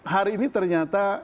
hari ini ternyata